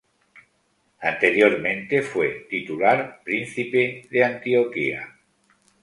Anteriormente fue Titular Príncipe de Antioquía.